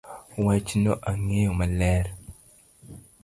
Wachno ang'eyo maler